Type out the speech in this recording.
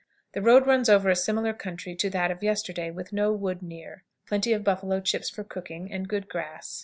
The road runs over a similar country to that of yesterday, with no wood near; plenty of buffalo chips for cooking, and good grass.